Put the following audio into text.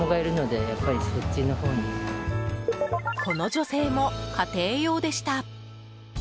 この女性も家庭用でした。